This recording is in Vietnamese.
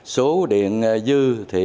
số điện dư thì